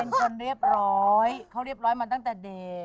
คนเรียบร้อยเขาเรียบร้อยมาตั้งแต่เด็ก